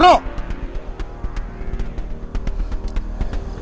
ini banyaknya rumah sakit